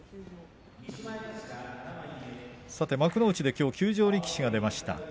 幕内できょう休場力士が出ました。